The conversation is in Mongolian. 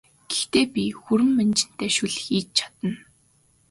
Гэхдээ би хүрэн манжинтай шөл хийж чадна!